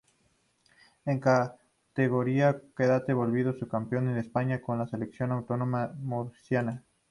En categoría cadete volvió a ser campeón de España con la selección autonómica murciana.